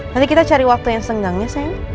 nanti kita cari waktu yang setengah ya sayang